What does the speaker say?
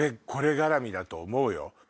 これ絡みだと思うよ。